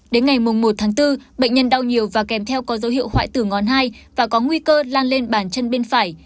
đến ngày một tháng bốn bệnh nhân đau nhiều và kèm theo có dấu hiệu hoại tử ngón hai và có nguy cơ lan lên bàn chân bên phải